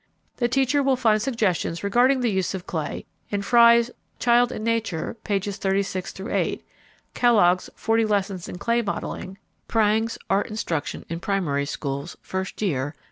The teacher will find suggestions regarding the use of clay in Frye's Child and Nature, pp. 36 8; Kellogg's Forty Lessons in Clay Modeling; Prang's Art Instruction in Primary Schools, First Year, pp.